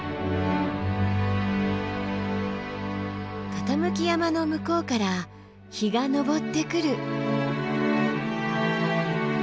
傾山の向こうから日が昇ってくる。